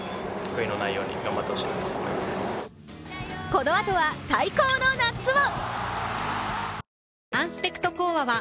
このあとは、最高の夏を！